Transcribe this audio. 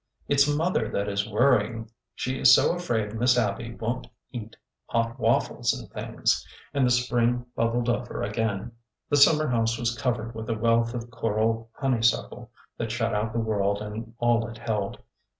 It 's mother that is worrying. She is so afraid Miss Abby won't eat hot waffles and things." And the spring bub bled over again. THE SINGLE AIM 5 The summer house was covered with a wealth of coral honeysuckle that shut out the world and all it held.